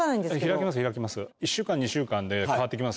開きます開きます。